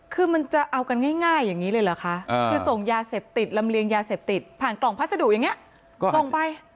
คือมันจะเอากันง่ายอย่างนี้เลยเหรอคะคือส่งยาเสพติดลำเลียงยาเสพติดผ่านกล่องพัสดุอย่างนี้ส่งไป